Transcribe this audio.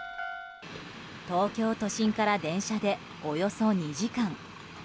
東京都心から電車でおよそ２時間。